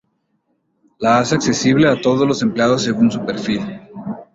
La hace accesible a todos los empleados según su perfil.